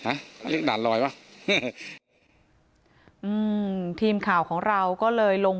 อ่ะพี่ฮะเรียกด่านรอยป่ะอืมทีมข่าวของเราก็เลยลง